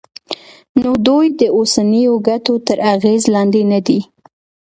نو دوی د اوسنیو ګټو تر اغېز لاندې ندي.